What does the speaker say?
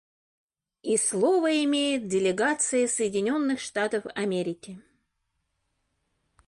И слово имеет делегация Соединенных Штатов Америки.